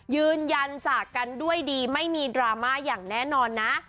ยืนยันจากกันด้วยดีไม่มีดราม่าอย่างแน่นอนนะ